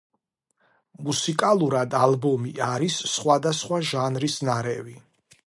მუსიკალურად ალბომი არის სხვადასხვა ჟანრის ნარევი.